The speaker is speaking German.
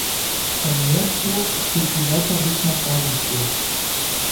Von Meersburg führt sie weiter bis nach Ravensburg.